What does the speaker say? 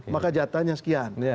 maka jatahnya sekian